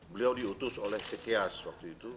beliau diutus oleh sekias waktu itu